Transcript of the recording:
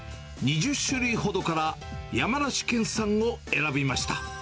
２０種類ほどから、山梨県産を選びました。